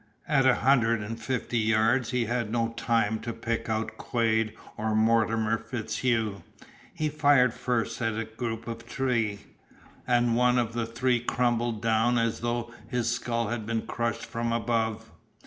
At a hundred and fifty yards he had no time to pick out Quade or Mortimer FitzHugh. He fired first at a group of three, and one of the three crumpled down as though his skull had been crushed from above.